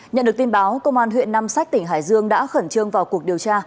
nhận được tin báo công an huyện nam sách tỉnh hải dương đã khẩn trương vào cuộc điều tra